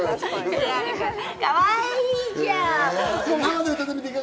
かわいいじゃん！